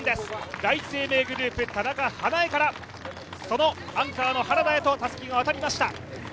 第一生命グループ田中華絵からアンカーへとたすきが渡りました。